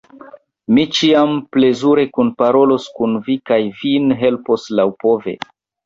Mi ĉiam plezure kunparolos kun vi kaj vin helpos laŭpove.